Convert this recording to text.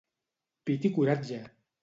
Pit i coratge!